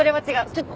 ちょっと。